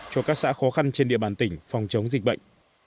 cho các xã khó khăn trên địa bàn tỉnh phòng chống dịch bệnh